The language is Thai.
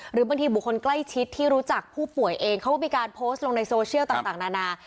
หรือบางทีบุคคลใกล้ชิดที่รู้จักผู้ป่วยเองเขาก็มีการโพสต์ลงในโซเชียลต่างนานา